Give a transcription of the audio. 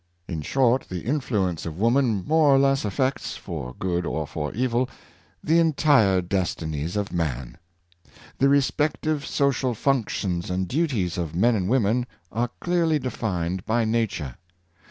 In short, the influence of woman more or less affects, for good or for evil, the entire destinies of man. The re spective social functions and duties of men and women are clearly defined by nature.